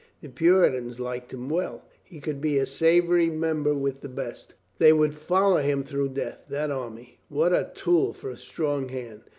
The Puritans liked him well. He could be a savory member with the best. They would follow him through death. That army! What a tool for a strong hand